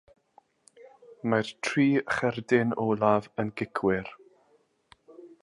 Mae'r tri cherdyn olaf yn gicwyr.